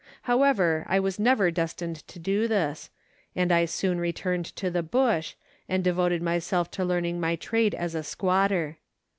However, I was never destined to this, and I soon returned to the bush, and devoted myself to learning my trade as a squatter.